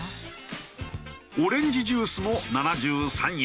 オレンジジュースも７３円。